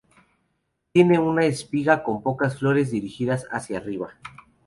Tiene una espiga con pocas flores dirigidas hacia arriba.